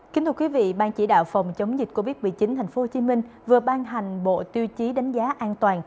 kính thưa quý vị ban chỉ đạo phòng chống dịch covid một mươi chín tp hcm vừa ban hành bộ tiêu chí đánh giá an toàn